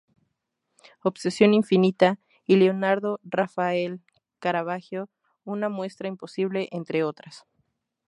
Obsesión infinita" y; "Leonardo, Rafael, Caravaggio: una muestra imposible", entre otras.